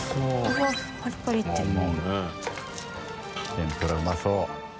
天ぷらうまそう。